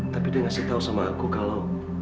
tapi dia memberitahu aku kalau